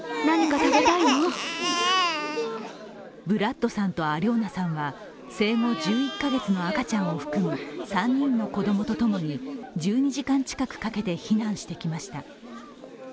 ヴラッドさんとアリョーナさんは生後１１カ月の赤ちゃんを含む３人の子供とともに１２時間近くかけて避難してきました。